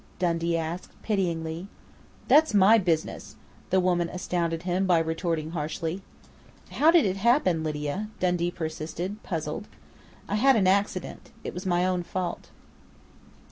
Dundee asked pityingly. "That's my business!" the woman astounded him by retorting harshly. "How did it happen, Lydia?" Dundee persisted, puzzled. "I had an accident. It was my own fault."